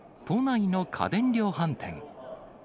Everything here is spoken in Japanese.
都内の家電量販店。